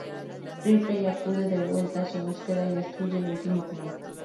Ripley acude de vuelta a su búsqueda y destruye el ultimo clon.